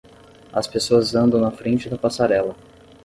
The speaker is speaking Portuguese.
As pessoas andam na frente da passarela.